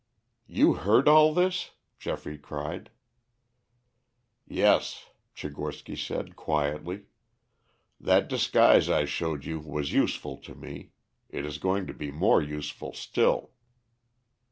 "You heard all this?" Geoffrey cried. "Yes," Tchigorsky said quietly. "That disguise I showed you was useful to me. It is going to be more useful still."